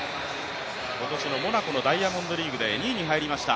今年のモナコのダイヤモンドリーグで２位に入りました。